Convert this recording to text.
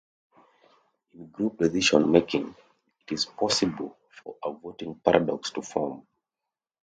In group decision-making it is possible for a voting paradox to form.